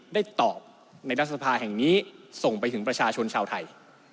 ได้ตอบในรัฐสภาแห่งนี้ส่งไปถึงประชาชนชาวไทย